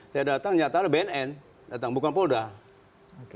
saya datang nyata ada bnn datang bukan poldak